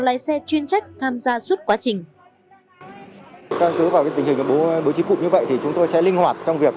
lái xe chuyên trách tham gia suốt quá trình tình hình như vậy thì chúng tôi sẽ linh hoạt trong việc